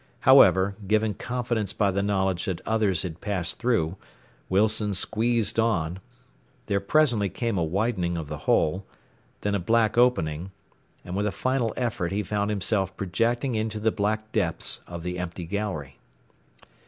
However, given confidence by the knowledge that others had passed through, Wilson squeezed on, there presently came a widening of the hole, then a black opening, and with a final effort he found himself projecting into the black depths of the empty gallery.